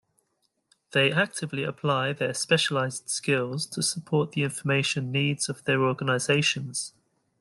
They actively apply their specialized skills to support the information needs of their organizations.